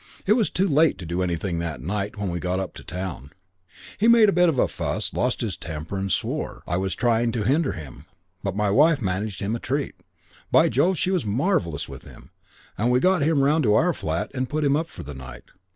It was too late to do anything that night when we got up to town. He made a bit of a fuss, lost his temper and swore I was trying to hinder him; but my wife managed him a treat; by Jove, she was marvellous with him, and we got him round to our flat and put him up for the night.